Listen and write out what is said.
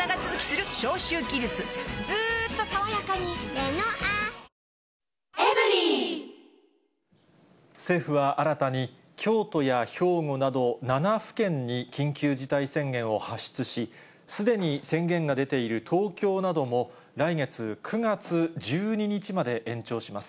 苦渋の決断をせざるをえなく政府は新たに、京都や兵庫など、７府県に緊急事態宣言を発出し、すでに宣言が出ている東京なども来月９月１２日まで延長します。